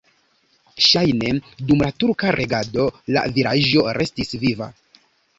Ŝajne dum la turka regado la vilaĝo restis viva.